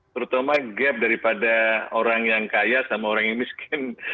terutama gap daripada orang yang kaya sama orang yang miskin